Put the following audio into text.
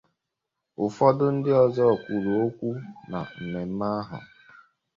ụfọdụ ndị ọzọ kwuru okwu na mmemme ahụ